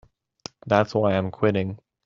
That's why I'm quitting.